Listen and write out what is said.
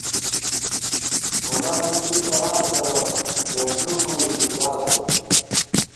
مُلا نِشی شراد کېرہ گېٹُم مُوئی تُو ژاسہ بی